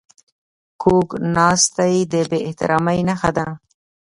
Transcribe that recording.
کوږ ناستی د بې احترامي نښه ده